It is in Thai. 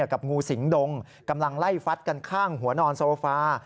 กับงูสิงดงกำลังไล่ฟัดกันข้างหัวนอนโซฟา